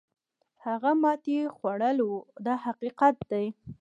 هغه ماتې خوړل وو دا حقیقت دی.